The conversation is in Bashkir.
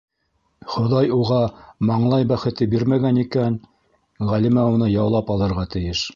Хоҙай уға маңлай бәхете бирмәгән икән - Ғәлимә уны яулап алырға тейеш.